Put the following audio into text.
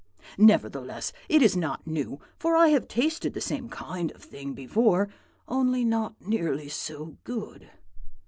Nevertheless, it is not new; for I have tasted the same kind of thing before, only not nearly so good.